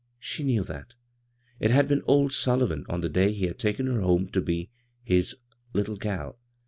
She knew that (it had been old Sullivan on the day he had taken her home to be his " little gal.")